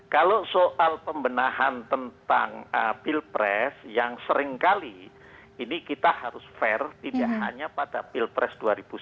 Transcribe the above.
kalau soal pembenahan tentang pilpres yang seringkali ini kita harus fair tidak hanya pada pilpres dua ribu sembilan belas